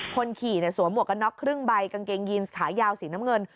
คนขี่สวมหมวกกันน็อกครึ่งใบกางเกงยีนขายาวสีน้ำเงิน